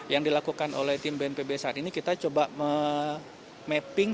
yang dilakukan oleh tim bnpb saat ini kita coba mapping